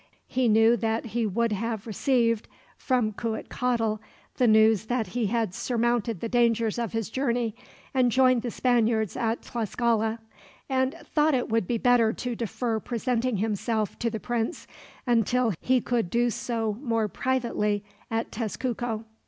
He knew that he would have received, from Cuitcatl, the news that he had surmounted the dangers of his journey and joined the Spaniards at Tlascala, and thought that it would be better to defer presenting himself to the prince until he could do so more privately at Tezcuco.